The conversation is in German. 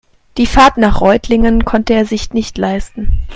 Die Fahrt nach Reutlingen konnte er sich nicht leisten